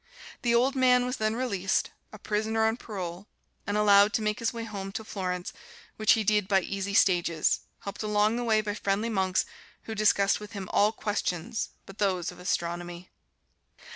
The old man was then released, a prisoner on parole, and allowed to make his way home to Florence, which he did by easy stages, helped along the way by friendly monks who discussed with him all questions but those of astronomy.